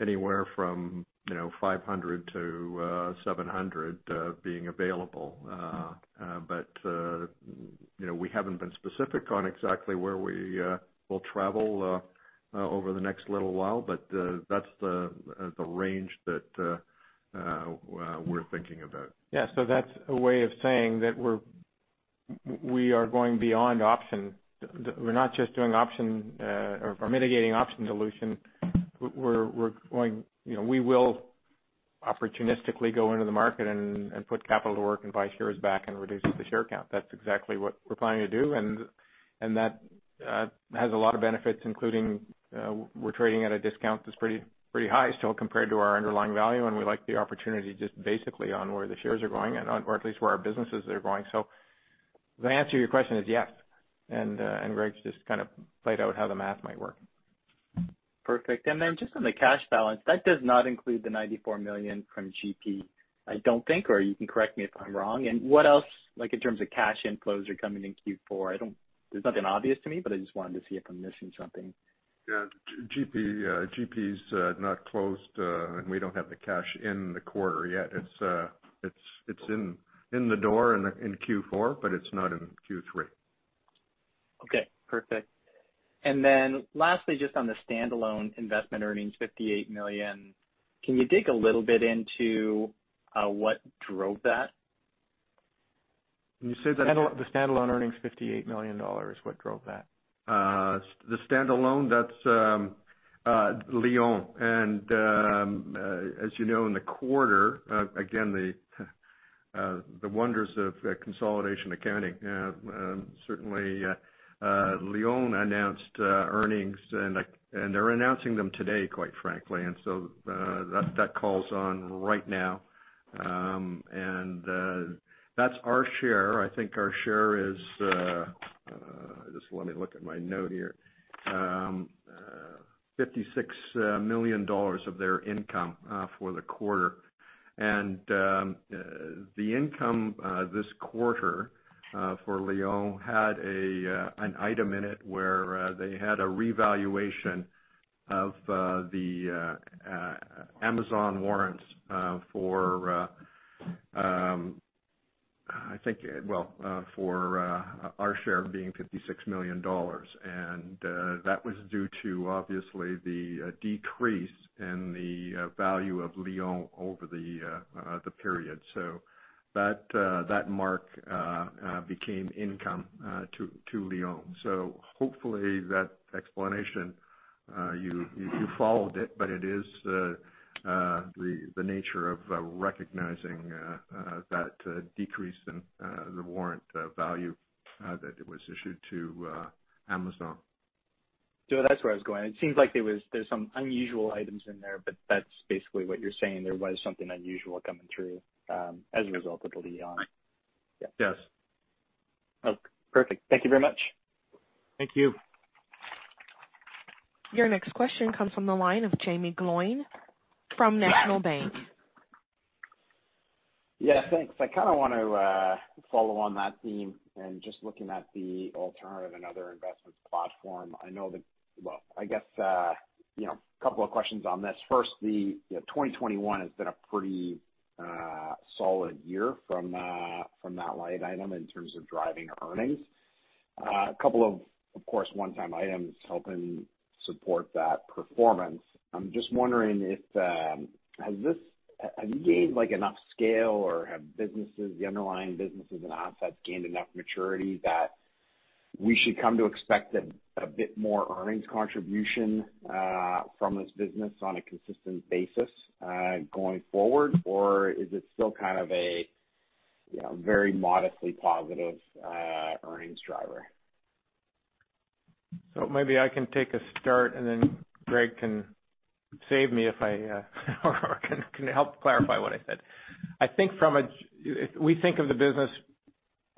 anywhere from, you know, 500-700 being available. You know, we haven't been specific on exactly where we will travel over the next little while, but that's the range that we're thinking about. Yeah. That's a way of saying that we are going beyond options. We're not just doing options or mitigating options dilution. We're going, you know, we will opportunistically go into the market and put capital to work and buy shares back and reduce the share count. That's exactly what we're planning to do. That has a lot of benefits, including we're trading at a discount that's pretty high still compared to our underlying value. We like the opportunity just basically on where the shares are going or at least where our businesses are going. The answer to your question is yes. Greg's just kind of played out how the math might work. Perfect. Just on the cash balance, that does not include the 94 million from GP, I don't think, or you can correct me if I'm wrong. What else, like in terms of cash inflows are coming in Q4? There's nothing obvious to me, but I just wanted to see if I'm missing something. Yeah. GP is not closed, and we don't have the cash in the quarter yet. It's in the door in Q4, but it's not in Q3. Okay, perfect. Lastly, just on the standalone investment earnings, 58 million, can you dig a little bit into what drove that? Can you say that again? The standalone earnings, 58 million dollars, what drove that? The standalone, that's Lion. As you know, in the quarter, again, the wonders of consolidation accounting, certainly Lion announced earnings, and they're announcing them today, quite frankly. That call's on right now. That's our share. I think our share is just let me look at my note here. 56 million dollars of their income for the quarter. The income this quarter for Lion had an item in it where they had a revaluation of the Amazon warrants for, I think, well, for our share being 56 million dollars. That was due to obviously the decrease in the value of Lion over the period. That mark became income to Lion. Hopefully that explanation you followed it, but it is the nature of recognizing that decrease in the warrant value that it was issued to Amazon. That's where I was going. It seems like there's some unusual items in there, but that's basically what you're saying. There was something unusual coming through, as a result of the Lion. Yeah. Yes. Okay, perfect. Thank you very much. Thank you. Your next question comes from the line of Jaeme Gloyn from National Bank. Yeah, thanks. I kinda want to follow on that theme and just looking at the alternative and other investments platform. Well, I guess you know a couple of questions on this. First, you know, 2021 has been a pretty solid year from that line item in terms of driving earnings, a couple of course one-time items helping support that performance. I'm just wondering if have you gained like enough scale or have businesses, the underlying businesses and assets gained enough maturity that we should come to expect a bit more earnings contribution from this business on a consistent basis going forward? Or is it still kind of a you know very modestly positive earnings driver? Maybe I can take a start, and then Greg can save me if I err or can help clarify what I said. I think from a GP. If we think of the business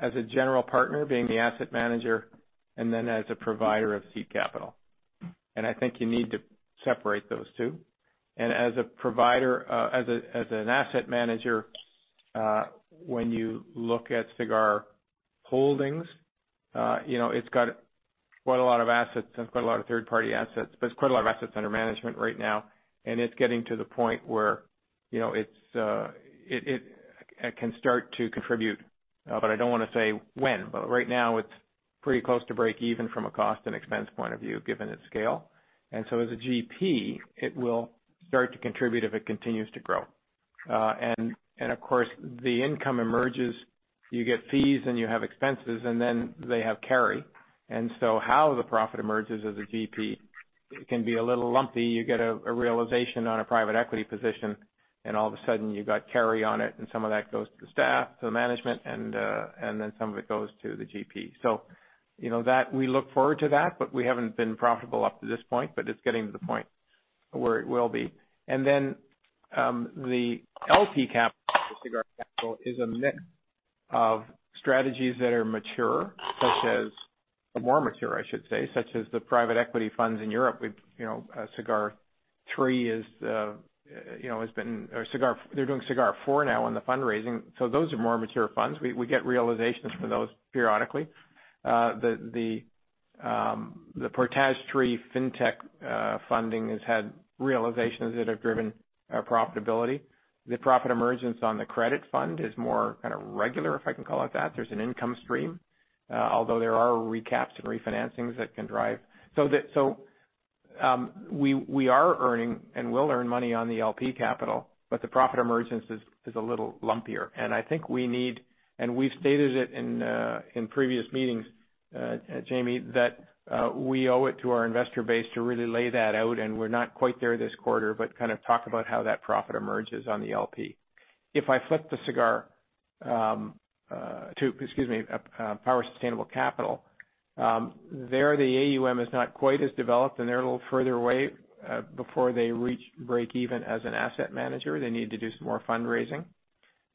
as a general partner being the asset manager and then as a provider of seed capital. I think you need to separate those two. As a provider, as an asset manager, when you look at Sagard Holdings, you know, it's got quite a lot of assets and quite a lot of third-party assets, but it's quite a lot of assets under management right now. It's getting to the point where, you know, it can start to contribute. I don't wanna say when. Right now, it's pretty close to break even from a cost and expense point of view, given its scale. As a GP, it will start to contribute if it continues to grow. Of course, the income emerges, you get fees and you have expenses, and then they have carry. How the profit emerges as a GP can be a little lumpy. You get a realization on a private equity position, and all of a sudden you've got carry on it, and some of that goes to the staff, to the management, and then some of it goes to the GP. You know, that we look forward to that, but we haven't been profitable up to this point, but it's getting to the point where it will be. The LP capital, the Sagard capital, is a mix of strategies that are mature, such as the private equity funds in Europe. Sagard Europe III has been. They're doing Sagard Europe IV now in the fundraising. Those are more mature funds. We get realizations for those periodically. The Portage III fintech fund has had realizations that have driven profitability. The profit emergence on the credit fund is more kinda regular, if I can call it that. There's an income stream, although there are recaps and refinancings that can drive. We are earning and will earn money on the LP capital, but the profit emergence is a little lumpier. I think we need, and we've stated it in previous meetings, Jaeme, that we owe it to our investor base to really lay that out. We're not quite there this quarter, but kind of talk about how that profit emerges on the LP. If I flip the Sagard to Power Sustainable Capital, there, the AUM is not quite as developed, and they're a little further away before they reach break even as an asset manager. They need to do some more fundraising.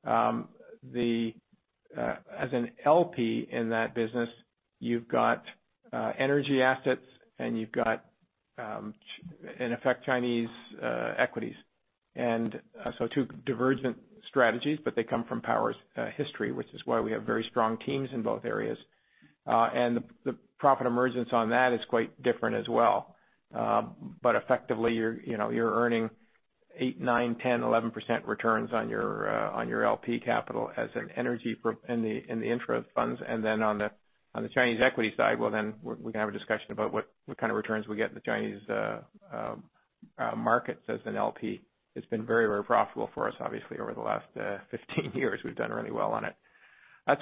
Then, as an LP in that business, you've got energy assets and you've got in effect Chinese equities. Two divergent strategies, but they come from Power's history, which is why we have very strong teams in both areas. The profit emergence on that is quite different as well. Effectively you know, you're earning 8%, 9%, 10%, 11% returns on your LP capital as an LP in the infra funds. Then on the Chinese equity side, well then we can have a discussion about what kind of returns we get in the Chinese markets as an LP. It's been very profitable for us, obviously, over the last 15 years. We've done really well on it. That's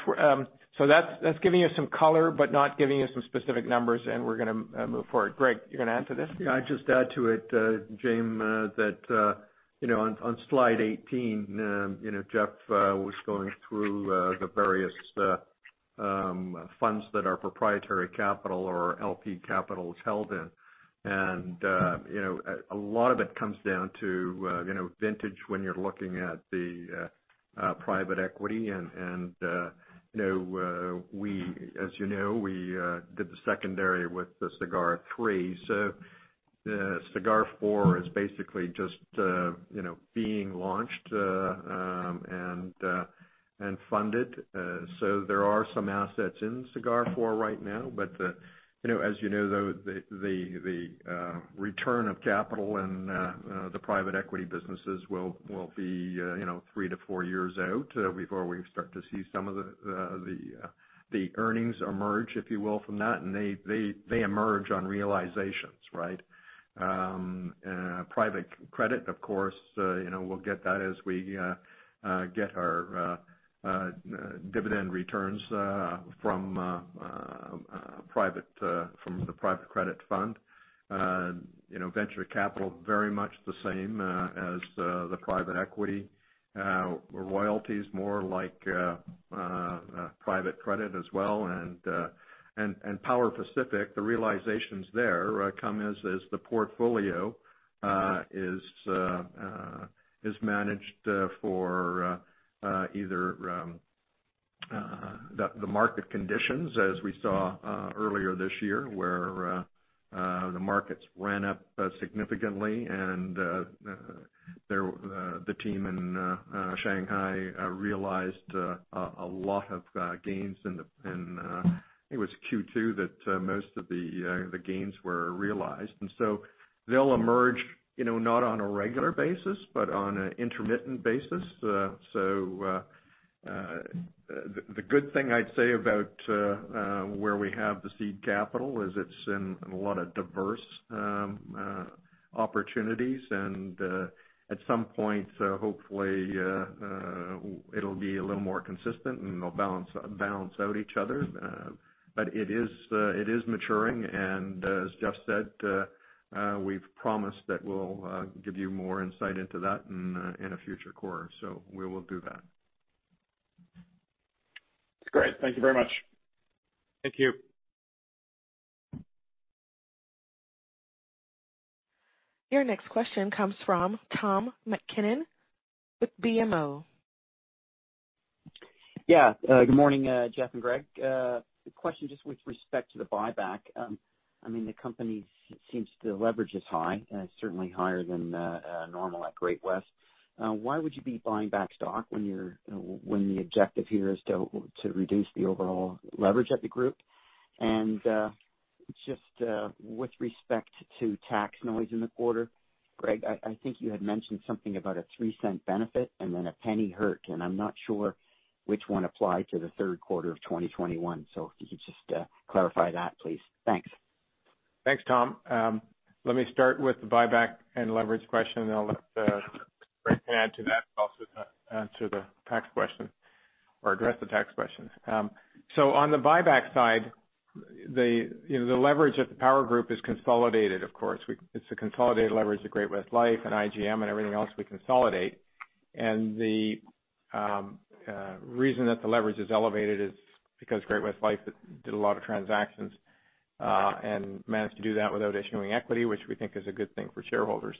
giving you some color but not giving you some specific numbers. We're gonna move forward. Greg, you're gonna answer this? Yeah, I'll just add to it, Jaeme, that you know, on slide 18, you know, Jeff was going through the various funds that our proprietary capital or LP capital is held in. A lot of it comes down to you know, vintage when you're looking at the private equity. You know, we, as you know, did the secondary with the Sagard III. Sagard IV is basically just you know, being launched and funded. There are some assets in Sagard IV right now. You know, as you know, though, the return of capital and the private equity businesses will be, you know, three to four years out before we start to see some of the earnings emerge, if you will, from that. They emerge on realizations, right? Private credit, of course, you know, we'll get that as we get our dividend returns from the private credit fund. you know, venture capital, very much the same as the private equity. Royalties more like private credit as well. Power Pacific, the realizations there come as the portfolio is managed for either the market conditions as we saw earlier this year where the markets ran up significantly and there the team in Shanghai realized a lot of gains in, I think it was Q2 that most of the gains were realized. They'll emerge, you know, not on a regular basis but on an intermittent basis. The good thing I'd say about where we have the seed capital is it's in a lot of diverse opportunities. At some point, hopefully, it'll be a little more consistent and they'll balance out each other. It is maturing. As Jeff said, we've promised that we'll give you more insight into that in a future quarter. We will do that. That's great. Thank you very much. Thank you. Your next question comes from Tom MacKinnon with BMO. Yeah. Good morning, Jeff and Greg. The question just with respect to the buyback, I mean, the company seems the leverage is high, certainly higher than normal at Great-West. Why would you be buying back stock when the objective here is to reduce the overall leverage at the group? Just with respect to tax noise in the quarter, Greg, I think you had mentioned something about a 0.03 benefit and then a penny hurt, and I'm not sure which one applied to the third quarter of 2021. If you could just clarify that, please. Thanks. Thanks, Tom. Let me start with the buyback and leverage question, and I'll let Greg add to that and also to answer the tax question or address the tax question. On the buyback side, you know, the leverage at the Power group is consolidated, of course. It's the consolidated leverage of Great-West Life and IGM and everything else we consolidate. The reason that the leverage is elevated is because Great-West Life did a lot of transactions and managed to do that without issuing equity, which we think is a good thing for shareholders.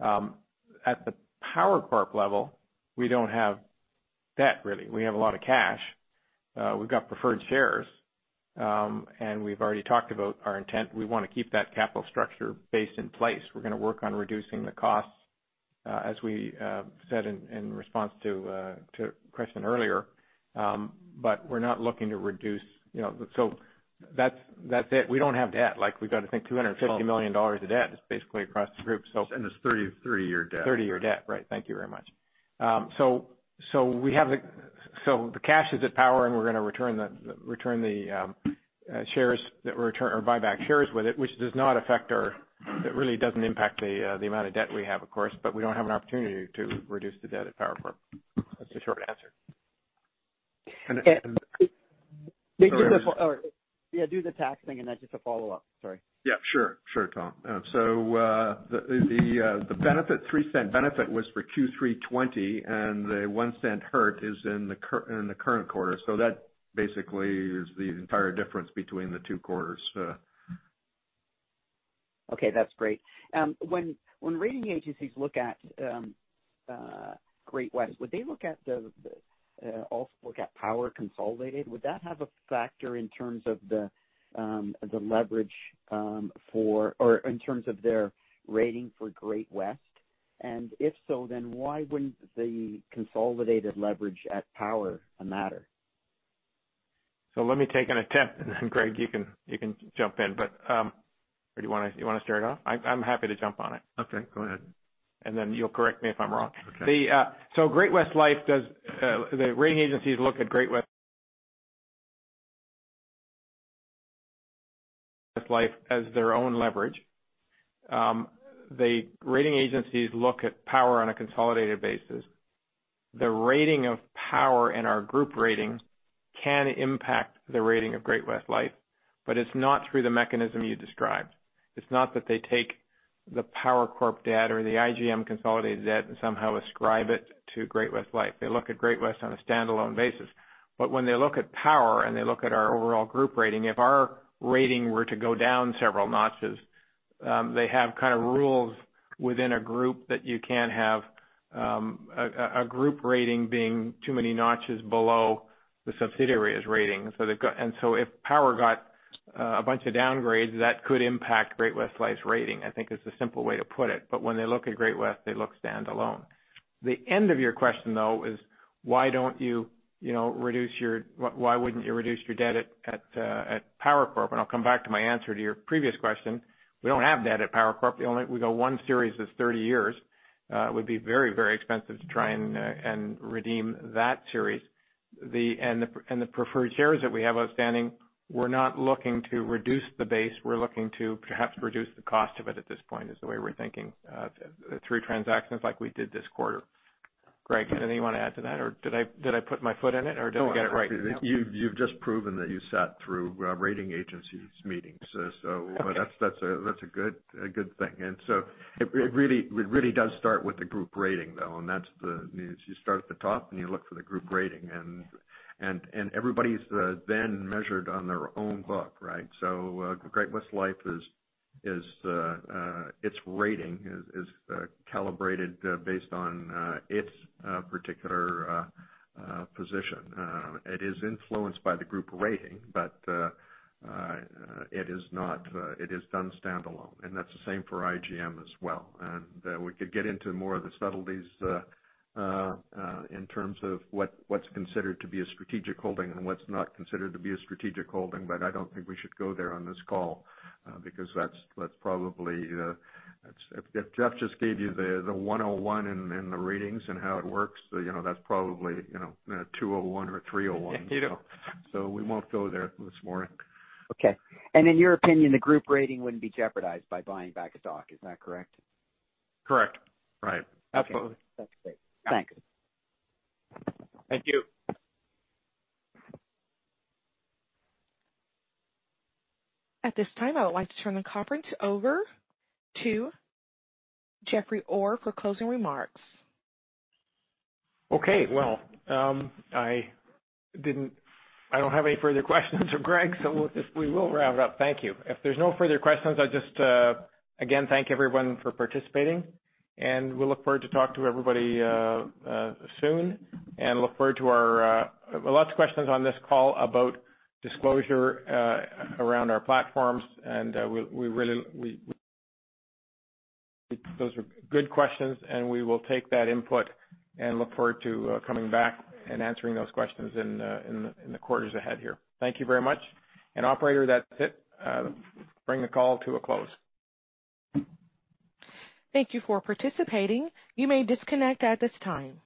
At the Power Corp level, we don't have debt really. We have a lot of cash. We've got preferred shares. We've already talked about our intent. We wanna keep that capital structure base in place. We're gonna work on reducing the costs, as we said in response to a question earlier. We're not looking to reduce, you know, so that's it. We don't have debt. Like, we've got, I think, 250 million dollars of debt is basically across the group. It's 30-year debt. 30-year debt. Right. Thank you very much. We have the cash at Power, and we're gonna return the shares or buy back shares with it, which really doesn't impact the amount of debt we have, of course, but we don't have an opportunity to reduce the debt at Power Corp. That's the short answer. And, and- Yeah. Do the tax thing and then just a follow-up. Sorry. Sure, Tom. The 0.03 benefit was for Q3 2020, and the 0.01 hurt is in the current quarter. That basically is the entire difference between the two quarters. Okay, that's great. When rating agencies look at Great-West, would they also look at Power consolidated? Would that have a factor in terms of the leverage or in terms of their rating for Great-West? If so, then why wouldn't the consolidated leverage at Power matter? Let me take an attempt and then, Greg, you can jump in. Or do you wanna start off? I'm happy to jump on it. Okay, go ahead. You'll correct me if I'm wrong. Okay. The rating agencies look at Great-West Lifeco as their own leverage. The rating agencies look at Power on a consolidated basis. The rating of Power and our group rating can impact the rating of Great-West Lifeco, but it's not through the mechanism you described. It's not that they take the Power Corp debt or the IGM consolidated debt and somehow ascribe it to Great-West Lifeco. They look at Great-West Lifeco on a standalone basis. When they look at Power and they look at our overall group rating, if our rating were to go down several notches, they have kind of rules within a group that you can't have a group rating being too many notches below the subsidiary's rating. They've got If Power got a bunch of downgrades, that could impact Great-West Lifeco's rating, I think is the simple way to put it. When they look at Great-West Lifeco, they look standalone. The end of your question, though, is why wouldn't you reduce your debt at Power Corp? I'll come back to my answer to your previous question. We don't have debt at Power Corp. We've got one series that's 30 years. It would be very expensive to try and redeem that series. The preferred shares that we have outstanding, we're not looking to reduce the base. We're looking to perhaps reduce the cost of it at this point, is the way we're thinking through transactions like we did this quarter. Greg, anything you wanna add to that, or did I put my foot in it or did we get it right? No, you've just proven that you sat through ratings agencies meetings. That's a good thing. It really does start with the group rating, though. You start at the top, and you look for the group rating. Everybody's then measured on their own book, right? Great-West Lifeco is its rating is calibrated based on its particular position. It is influenced by the group rating, but it is not, it is done standalone. That's the same for IGM as well. We could get into more of the subtleties in terms of what's considered to be a strategic holding and what's not considered to be a strategic holding, but I don't think we should go there on this call, because that's probably. If Jeff just gave you the 101 in the ratings and how it works, you know, that's probably, you know, 201 or 301. You know. We won't go there this morning. Okay. In your opinion, the group rating wouldn't be jeopardized by buying back stock. Is that correct? Correct. Right. Okay. That's great. Thanks. Thank you. At this time, I would like to turn the conference over to Jeffrey Orr for closing remarks. Okay. Well, I don't have any further questions for Greg, so we will wrap it up. Thank you. If there's no further questions, I just again thank everyone for participating, and we look forward to talk to everybody soon. Look forward to our lots of questions on this call about disclosure around our platforms. Those are good questions, and we will take that input and look forward to coming back and answering those questions in the quarters ahead here. Thank you very much. Operator, that's it. Bring the call to a close. Thank you for participating. You may disconnect at this time.